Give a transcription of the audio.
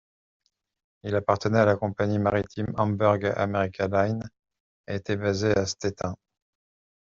Il appartenait à la compagnie maritime Hamburg America Line et était basé à Stettin.